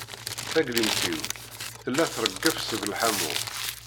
Taglimt-iw tella treǧǧef seg lḥamu.